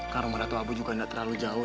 karena rumah dato abu juga gak terlalu jauh